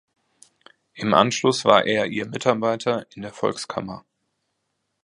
Im Anschluss war er ihr Mitarbeiter in der Volkskammer.